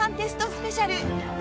スペシャル。